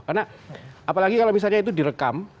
karena apalagi kalau misalnya itu direkam